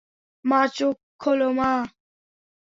মা, চোখ খোল, মা।